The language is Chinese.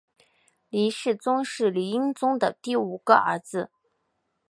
黎世宗是黎英宗的第五个儿子。